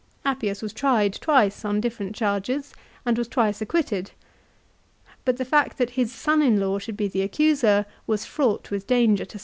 Appius was tried twice on different charges, and was twice acquitted. But the fact that his son in law should be the accuser was fraught with danger to THE WAR BETWEEN CAESAR AND POMPET.